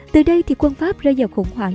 từ đây thì quân pháp rơi vào khủng hoảng